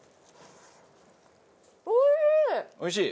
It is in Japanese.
おいしい？